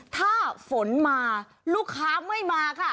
ถ้าฝนมาลูกค้าไม่มาค่ะ